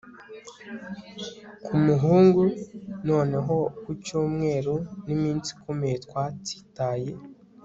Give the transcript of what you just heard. ku muhungu; noneho, ku cyumweru niminsi ikomeye twatsitaye